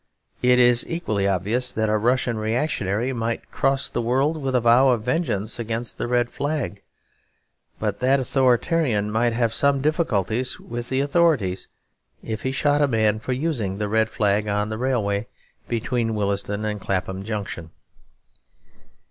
It is equally obvious that a Russian reactionary might cross the world with a vow of vengeance against the red flag. But that authoritarian might have some difficulties with the authorities, if he shot a man for using the red flag on the railway between Willesden and Clapham Junction.